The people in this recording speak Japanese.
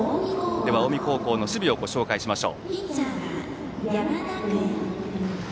近江高校の守備をご紹介します。